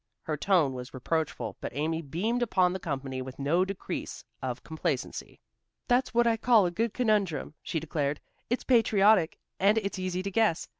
Her tone was reproachful, but Amy beamed upon the company with no decrease of complacency. "That's what I call a good conundrum," she declared; "it's patriotic, and it's easy to guess.